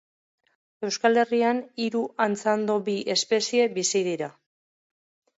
Euskal Herrian hiru antzandobi espezie bizi dira.